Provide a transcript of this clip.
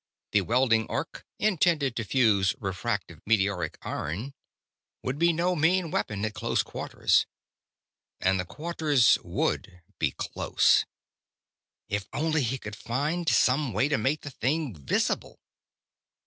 The welding arc, intended to fuse refractive meteoric iron, would be no mean weapon, at close quarters. And the quarters would be close. If only he could find some way to make the thing visible!